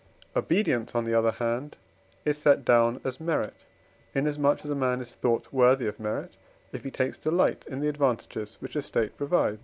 Obedience, on the other hand, is set down as merit, inasmuch as a man is thought worthy of merit, if he takes delight in the advantages which a State provides.